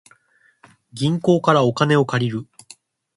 銀行からお金を借りる